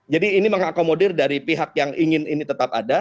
jadi ini mengakomodir dari pihak yang ingin ini tetap ada